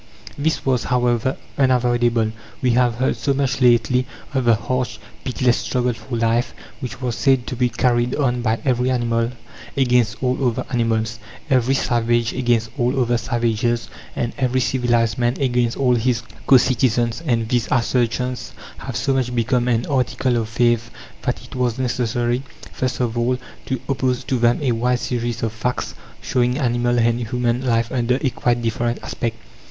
This was, however, unavoidable. We have heard so much lately of the "harsh, pitiless struggle for life," which was said to be carried on by every animal against all other animals, every "savage" against all other "savages," and every civilized man against all his co citizens and these assertions have so much become an article of faith that it was necessary, first of all, to oppose to them a wide series of facts showing animal and human life under a quite different aspect.